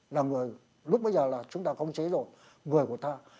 là người lúc bây giờ là chúng ta khống chế rồi người của ta